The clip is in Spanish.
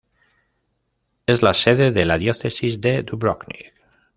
Es la sede de la Diócesis de Dubrovnik.